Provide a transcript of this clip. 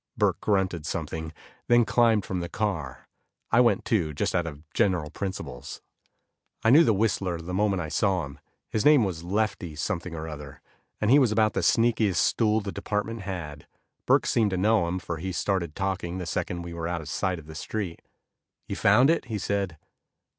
Burke grunted something, then climbed from the car. I went, too, just out of general principles. I knew the whistler the moment I saw him. His name was Lefty something or other, and he was about the sneakiest stool the department had. Burke seemed to know him, for he started talking the second we were out of sight of the street. "You found it?" he said.